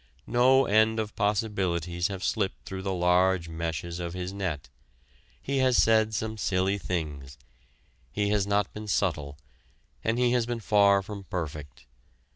No end of possibilities have slipped through the large meshes of his net. He has said some silly things. He has not been subtle, and he has been far from perfect.